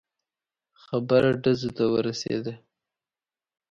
خبره ډزو ته ورسېده.